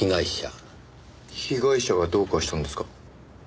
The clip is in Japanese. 被害者がどうかしたんですか？